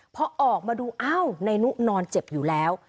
พอออกมาดูอ้าวนายนุนอนเจ็บอยู่แล้ว